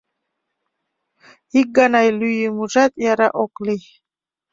Ик гана лӱйымыжат яра ок лий.